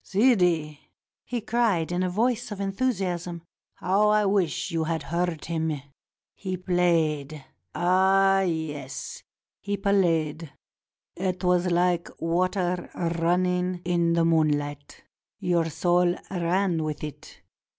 " Sidi," he cried in a voice of enthusiasm, "how I wish you had heard him. He played! Ah, yes, he played! It was like water running in moonHght. Your soul ran with it.